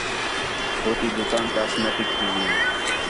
ہو تی دُکان کاسمیٹک تی ہی